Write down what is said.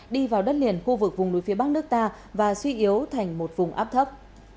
đi vào đất liền khu vực vùng núi phía bắc nước ta và suy yếu thành một vùng áp thấp